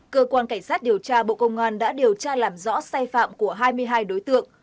cơ quan cảnh sát điều tra bộ công an đã điều tra làm rõ sai phạm của hai mươi hai đối tượng